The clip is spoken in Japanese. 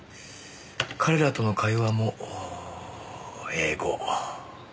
彼らとの会話も英語。